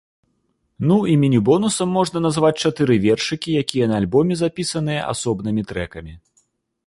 Ну і мінібонусам можна назваць чатыры вершыкі, якія на альбоме запісаныя асобнымі трэкамі.